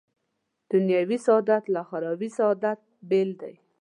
دنیوي سعادت له اخروي سعادته بېل دی.